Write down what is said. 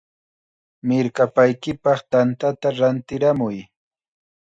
¡Mirkapaykipaq tantata rantiramuy!